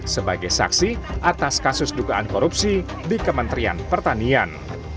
sebagai saksi atas kasus dugaan korupsi di kementerian pertanian